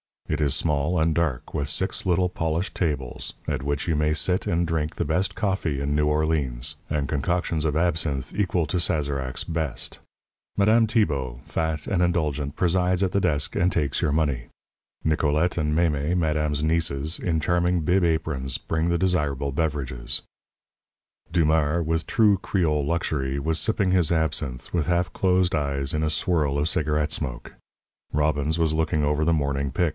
It is small and dark, with six little polished tables, at which you may sit and drink the best coffee in New Orleans, and concoctions of absinthe equal to Sazerac's best. Madame Tibault, fat and indulgent, presides at the desk, and takes your money. Nicolette and Mémé, madame's nieces, in charming bib aprons, bring the desirable beverages. Dumars, with true Creole luxury, was sipping his absinthe, with half closed eyes, in a swirl of cigarette smoke. Robbins was looking over the morning _Pic.